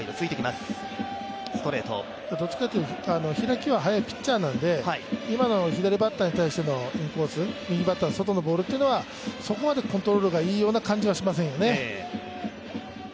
開きは早いピッチャーなので、今の左バッターに対してのインコース、右バッターの外のコースっていうのはそこまでコントロールがいいような感じはしませんよね。